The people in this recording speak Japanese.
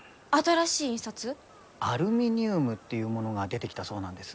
アルミニウムっていうものが出てきたそうなんです。